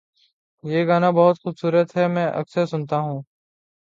یہ گانا بہت خوبصورت ہے، میں اکثر سنتا ہوں